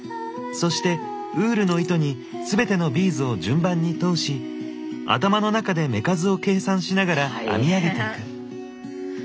そしてウールの糸に全てのビーズを順番に通し頭の中で目数を計算しながら編み上げていく。